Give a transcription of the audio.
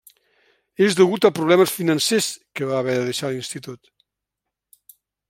És degut a problemes financers que va haver de deixar l’institut.